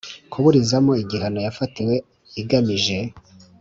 kuburizamo igihano yafatiwe igamije